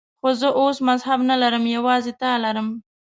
خو زه اوس مذهب نه لرم، یوازې تا لرم.